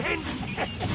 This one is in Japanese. ハハハッ。